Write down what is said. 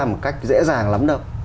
một cách dễ dàng lắm đâu